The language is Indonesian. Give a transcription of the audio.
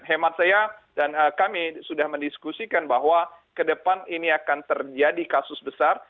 hemat saya dan kami sudah mendiskusikan bahwa ke depan ini akan terjadi kasus besar